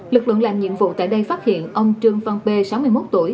lực lượng làm nhiệm vụ tại đây phát hiện ông trương văn p sáu mươi một tuổi